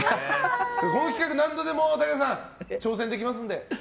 この企画、何度でも武田さん、挑戦できますので。